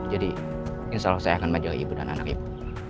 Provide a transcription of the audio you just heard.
jadi insya allah saya akan menjaga ibu dan anak ibu